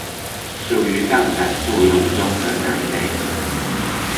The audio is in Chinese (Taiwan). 屬於槓桿作用中的哪一類？